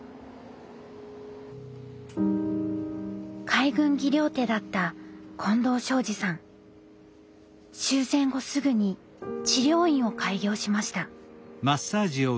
海軍技療手だった終戦後すぐに治療院を開業しました。